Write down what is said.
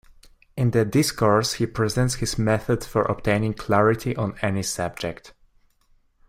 In the "Discourse", he presents his method for obtaining clarity on any subject.